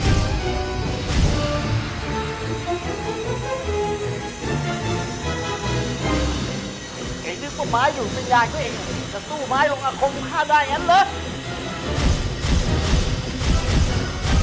สู้ไม้ลงอาคมข้าได้อย่างนั้นละ